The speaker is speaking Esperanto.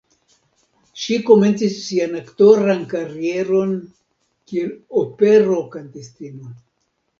Ŝi komencis sian aktoran karieron, kiel opero-kantistino.